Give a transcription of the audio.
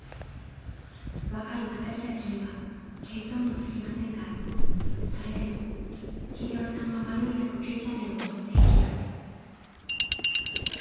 ［若いマタギたちには見当もつきませんがそれでも英雄さんは迷いなく急斜面をのぼっていきます］